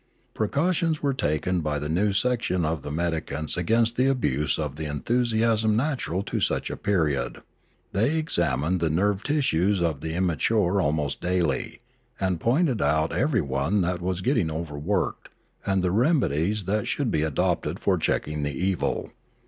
Pre cautions were taken by the new section of themedicants against the abuse of the enthusiasm natural to such a period; they examined the nerve tissues of the imma ture almost daily, and pointed out everyone that was getting overworked, and the remedies that should be adopted for checking the evil.